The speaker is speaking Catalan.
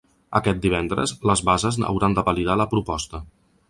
Aquest divendres, les bases hauran de validar la proposta.